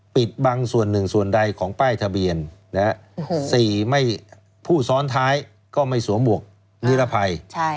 ปิดบังส่วนหนึ่งส่วนใดของป้ายทะเบียน๔ผู้ซ้อนท้ายก็ไม่สวมหมวกนิรภัย